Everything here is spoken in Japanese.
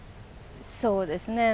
そうですね。